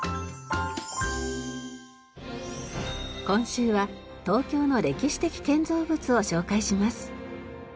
今週は東京の歴史的建造物を紹介します。